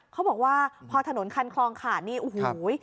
เขาบอกว่าพอถนนคันคลองขาดนี่โอ้โห